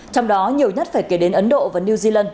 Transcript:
trong đó nhiều nhất phải kể đến ấn độ và new zealand